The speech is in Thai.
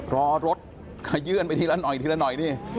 รอรถขยื่นไปทีละหน่อยทีละหน่อยนี่